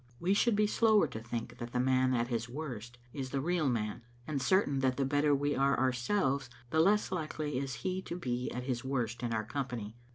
We should be slower to think that the man at his worst is the real man, and certain that the better we are ourselves the less likely is he to be at his worst in our company.